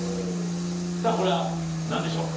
さあこれは何でしょう？